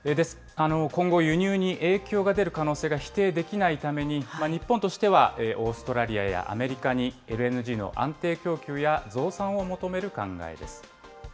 今後、輸入に影響が出る可能性が否定できないために、日本としてはオーストラリアやアメリカに、ＬＮＧの安定供給や増産を求める考えです。